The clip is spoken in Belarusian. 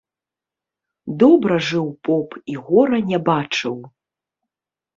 Добра жыў поп і гора не бачыў.